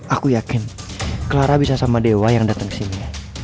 aku yakin clara bisa sama dewa yang datang kesini